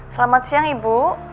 selamat siang ibu